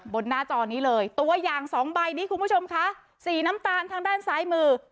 หน้าจอนี้เลยตัวอย่างสองใบนี้คุณผู้ชมคะสีน้ำตาลทางด้านซ้ายมือ